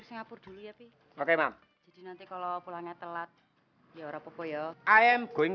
singapura dulu ya pi oke mam nanti kalau pulangnya telat ya orang pokok yo i am going